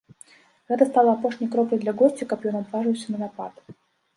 Гэта стала апошняй кропляй для госця, каб ён адважыўся на напад.